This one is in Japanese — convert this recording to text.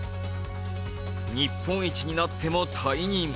日本一になっても退任。